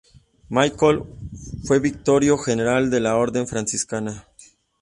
Michael fue vicario general de la Orden Franciscana.